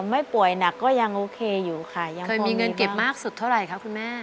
ไม่ป่วยหนักก็ยังโอเคอยู่ค่ะยังเคยมีเงินเก็บมากสุดเท่าไหร่คะคุณแม่